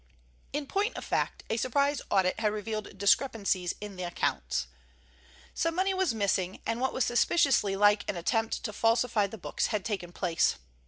In point of fact a surprise audit had revealed discrepancies in the accounts. Some money was missing, and what was suspiciously like an attempt to falsify the books had taken place.